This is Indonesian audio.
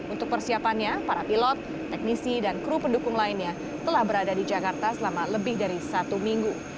untuk persiapannya para pilot teknisi dan kru pendukung lainnya telah berada di jakarta selama lebih dari satu minggu